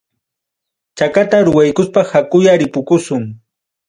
Chakata ruwaykuspa hakuya ripukusun.